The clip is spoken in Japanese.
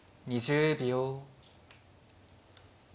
２０秒。